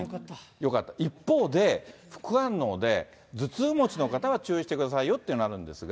よかった、一方で、副反応で、頭痛持ちの方は注意してくださいよっていうのがあるんですが。